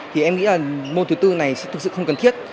thì em nghĩ là môn thứ tư này sẽ thực sự không cần thiết